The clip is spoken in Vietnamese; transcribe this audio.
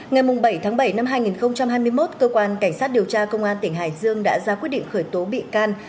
ngày bảy tháng bảy năm hai nghìn hai mươi một cơ quan cảnh sát điều tra công an tỉnh hải dương đã ra quyết định khởi tố bị can